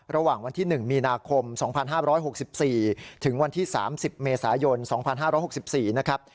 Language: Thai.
ระหว่างวันที่หนึ่งมีนาคมสองพันห้าร้อยหกสิบสี่ถึงวันที่สามสิบเมษายนสองพันห้าร้อยหกสิบสี่นะครับ